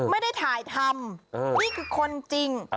ไม่ได้ถ่ายทำนี่คือคนจริง